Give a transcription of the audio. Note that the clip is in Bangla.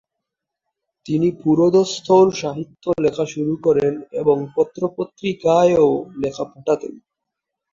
তিনি পুরোদুস্তর সাহিত্য লেখা শুরু করেন এবং পত্র-পত্রিকায়ও লেখা পাঠাতেন।